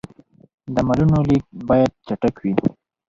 د مالونو لېږد باید چټک وي.